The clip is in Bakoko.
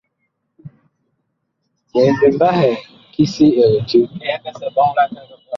Ɓɛl mbahɛ ki si ɛg dig.